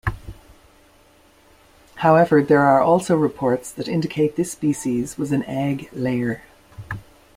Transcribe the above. However, there are also reports that indicate this species was an egg layer.